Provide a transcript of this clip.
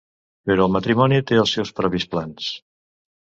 Però el matrimoni té els seus propis plans.